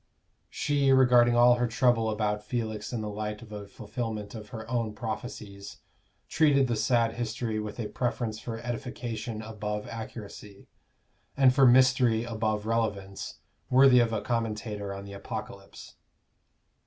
She, regarding all her trouble about Felix in the light of a fulfilment of her own prophecies, treated the sad history with a preference for edification above accuracy, and for mystery above relevance, worthy of a commentator on the Apocalypse.